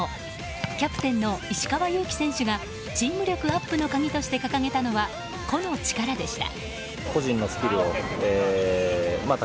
キャプテンの石川祐希選手がチーム力アップのために掲げたのは、個の力でした。